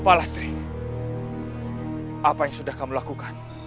pak lastri apa yang sudah kamu lakukan